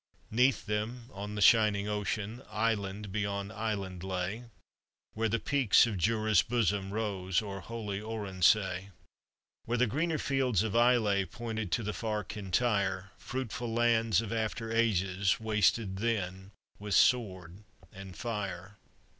'Neath them, on the shining ocean, Island beyond island lay, Where the peaks of Jura's bosom, Rose o'er holy Oronsay. Where the greener fields of Islay Pointed to the far Kintire, Fruitful lands of after ages, Wasted then with sword and fire.